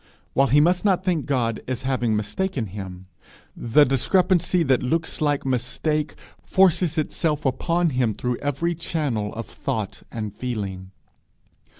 While he must not think of God as having mistaken him, the discrepancy that looks like mistake forces itself upon him through every channel of thought and feeling.